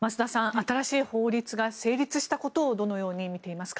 新しい法律が成立したことをどのように見ていますか？